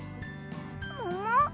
もも？